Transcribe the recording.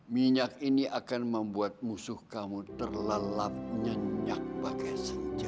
minyak ini akan membuat musuh kamu terlalap nyenyak pakai senjata